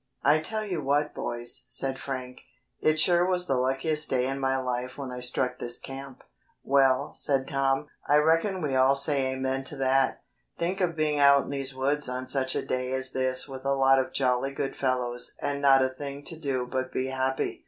"I tell you what, boys," said Frank, "it sure was the luckiest day in my life when I struck this camp." "Well," said Tom, "I reckon we all say amen to that. Think of being out in these woods on such a day as this with a lot of jolly good fellows and not a thing to do but be happy.